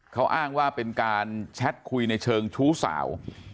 เขาอ้างว่าเป็นการแชทคุยในเชิงชู้สาว